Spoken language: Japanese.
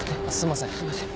すいません。